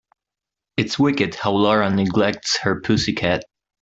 It's wicked how Lara neglects her pussy cat.